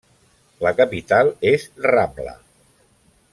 La capital és Ramla.